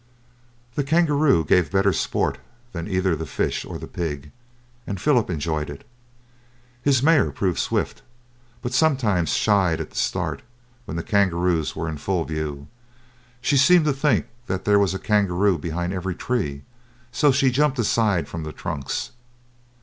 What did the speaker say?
The kangaroo gave better sport than either the fish or the pig, and Philip enjoyed it. His mare proved swift, but sometimes shied at the start, when the kangaroos were in full view. She seemed to think that there was a kangaroo behind every tree, so she jumped aside from the trunks.